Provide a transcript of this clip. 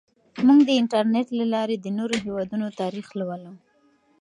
موږ د انټرنیټ له لارې د نورو هیوادونو تاریخ لولو.